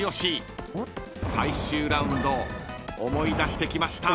［最終ラウンド思い出してきました